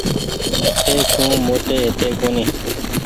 اي سون موٽي هيتي ڪونيٚ۔